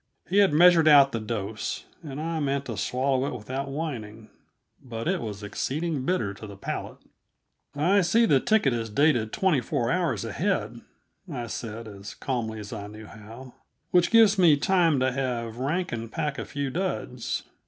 He had measured out the dose, and I meant to swallow it without whining but it was exceeding bitter to the palate! "I see the ticket is dated twenty four hours ahead," I said as calmly as I knew how, "which gives me time to have Rankin pack a few duds.